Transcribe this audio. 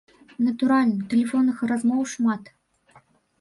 Натуральна, тэлефонных размоваў шмат.